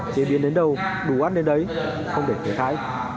chế biến đến đâu đủ an ninh đấy không để khởi thái